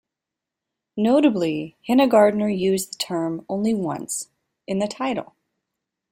Notably, Hinegardner used the term only once: in the title.